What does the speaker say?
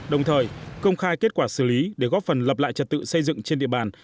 đồng thời công khai kết quả xử lý để góp phần lập lại trật tự xây dựng trên địa bàn